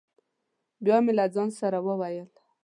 بیا مې له ځانه سره وویل: